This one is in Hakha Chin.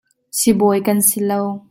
Sibawi kan si lo.